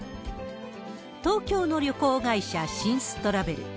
東京の旅行会社、神洲トラベル。